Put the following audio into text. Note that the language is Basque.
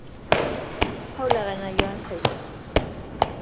Paulagana joan zaitez.